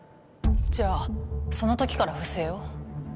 じゃあそのときから不正を？